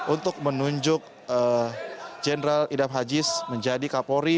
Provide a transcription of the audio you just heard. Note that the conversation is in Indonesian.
untuk menunjuk jenderal idam aziz menjadi kapolri